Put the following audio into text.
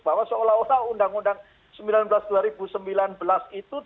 bahwa seolah olah undang undang sembilan belas dua ribu sembilan belas itu